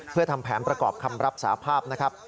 เพื่อทำแผนประกอบคำรับสาภาพนะครับ